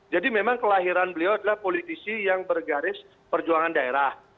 jadi memang kelahiran beliau adalah politisi yang bergaris perjuangan daerah